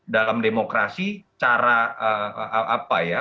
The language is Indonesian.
dalam demokrasi cara